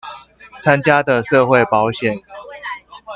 參加的社會保險